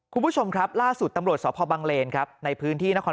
คุณผู้ชมครับล่าสุดตำรวจสพบังเลนครับในพื้นที่นคร